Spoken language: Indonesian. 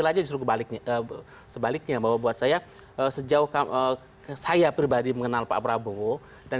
kebaliknya jalan pun sebaliknya bahwa buat saya sejauh ke saya pribadi mengenal pak prabowo dan